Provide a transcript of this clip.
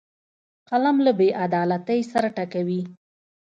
قلم له بیعدالتۍ سر ټکوي